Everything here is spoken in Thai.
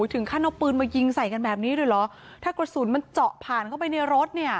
ถึงขั้นเอาปืนมายิงใส่กันแบบนี้เลยเหรอถ้ากระสุนมันเจาะผ่านเข้าไปในรถเนี่ย